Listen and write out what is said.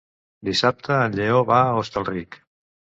Dissabte en Lleó va a Hostalric.